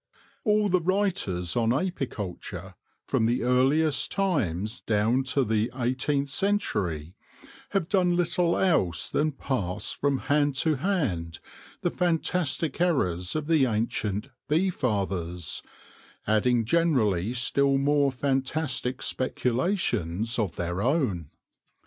All the writers on apiculture, from the earliest times down to the eighteenth century, have done little else than pass from hand to hand the fantastic errors of the ancient " bee fathers/' adding generally still more fantastic speculations of their own.